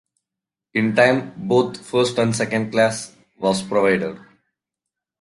In time, both first and second class was provided.